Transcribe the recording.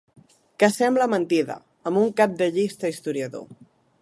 Que sembla mentida, amb un cap de llista historiador.